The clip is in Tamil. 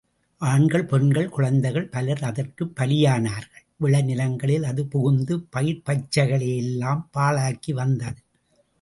ஆண்கள், பெண்கள், குழந்தைகள் பலர் அதற்குப் பலியானார்கள் விளைநிலங்களில் அது புகுந்து, பயிர்பச்சைகளையெல்லாம் பாழாக்கி வந்தது.